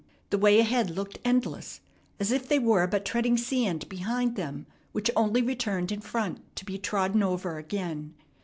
The way ahead looked endless, as if they were but treading sand behind them which only returned in front to be trodden over again.